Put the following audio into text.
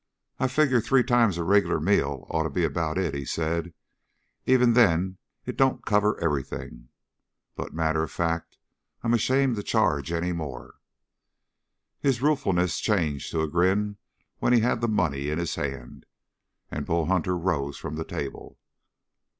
"I figure three times a regular meal ought to be about it," he said. "Even then it don't cover everything; but matter of fact, I'm ashamed to charge any more." His ruefulness changed to a grin when he had the money in his hand, and Bull Hunter rose from the table.